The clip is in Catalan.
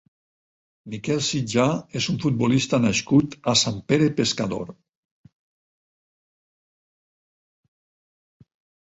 Miquel Sitjà és un futbolista nascut a Sant Pere Pescador.